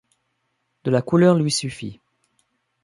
De la couleur lui suffit.